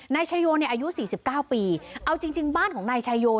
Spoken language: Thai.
นายชายโยอายุ๔๙ปีเอาจริงบ้านของนายชายโย